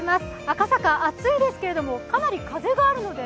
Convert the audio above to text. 赤坂、暑いですけれどもかなり風があるので。